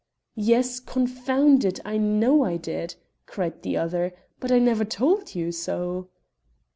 "Yes, confound it, I know I did," cried the other, "but I never told you so."